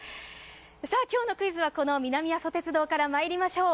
今日のクイズはこの南阿蘇鉄道からまいりましょう。